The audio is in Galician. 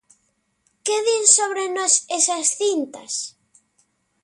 Que din sobre nós esas cintas?